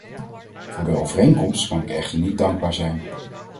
Voor de overeenkomst kan ik echter niet dankbaar zijn.